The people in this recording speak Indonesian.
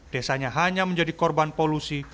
desanya hanya menjadi korban polusi